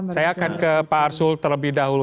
saya akan ke pak arsul terlebih dahulu